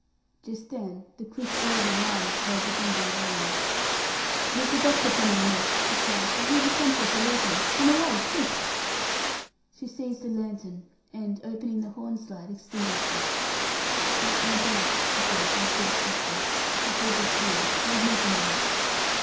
Just then the quick ears of Miles heard the jingle of arms. "Here's the doctor coming, miss!" he cried. "I hear the sentry saluting. Come away! Quick!" She seized the lantern, and, opening the horn slide, extinguished it. "Say it went out," she said in a fierce whisper, "and hold your tongue. Leave me to manage."